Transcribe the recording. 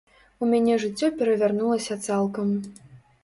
У мяне жыццё перавярнулася цалкам.